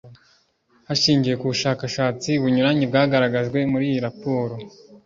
hashingiwe ku bushakashatsi bunyuranye bwagaragajwe muri iyi raporo